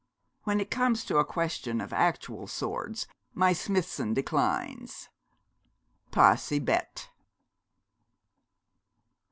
When it comes to a question of actual swords my Smithson declines. _Pas si bête.